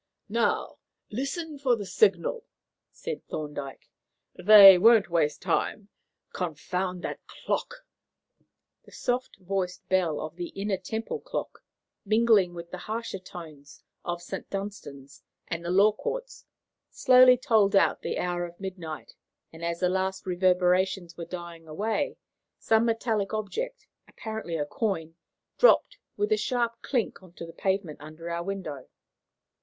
"Now listen for the signal," said Thorndyke. "They won't waste time. Confound that clock!" The soft voiced bell of the Inner Temple clock, mingling with the harsher tones of St. Dunstan's and the Law Courts, slowly told out the hour of midnight; and as the last reverberations were dying away, some metallic object, apparently a coin, dropped with a sharp clink on to the pavement under our window.